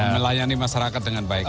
melayani masyarakat dengan baik